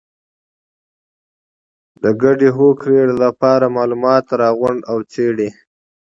د ګډې هوکړې لپاره معلومات راغونډ او وڅېړئ.